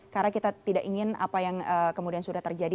karena kita tidak ingin apa yang kemudian sudah terjadi